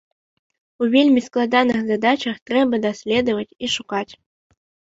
У вельмі складаных задачах трэба даследаваць і шукаць.